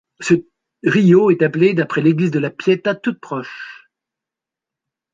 Ce rio est appelé d'après l'Église de la Pietà toute proche.